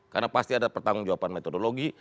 karena pasti ada pertanggung jawaban metodologi